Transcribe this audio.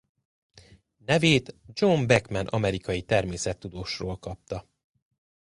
Nevét John Bachman amerikai természettudósról kapta.